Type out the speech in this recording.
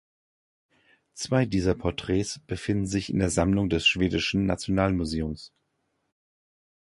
Zwei dieser Porträts befinden sich in der Sammlung des Schwedischen Nationalmuseums.